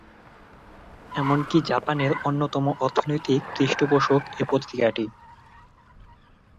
এমনকি জাপানের অন্যতম অর্থনৈতিক পৃষ্ঠপোষক এ পত্রিকাটি।